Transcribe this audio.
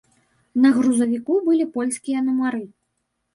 На грузавіку былі польскія нумары.